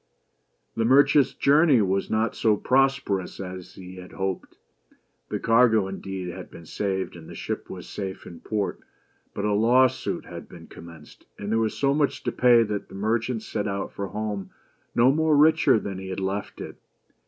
The merchant's journey was not so prosperous as he had hoped. The cargo, indeed, had been saved, and the ship was safe in port ; but a law suit had been commenced, and there was so much to pay that the merchant set out for home no much richer than he had left it.